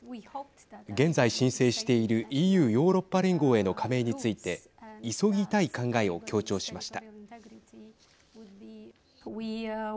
現在申請しているＥＵ＝ヨーロッパ連合への加盟について急ぎたい考えを強調しました。